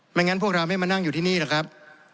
งั้นพวกเราไม่มานั่งอยู่ที่นี่หรอกครับ